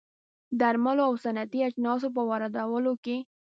درملو او صنعتي اجناسو په واردولو کې